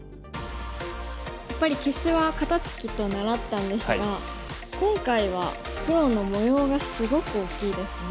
やっぱり消しは肩ツキと習ったんですが今回は黒の模様がすごく大きいですね。